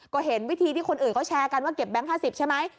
ก็เห็นวิธีที่คนอื่นเขาแชร์กันว่าเก็บแบงค์๕๐ใช่ไหม